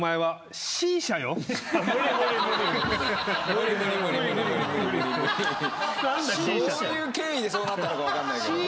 どういう経緯でそうなったのか分かんないけど。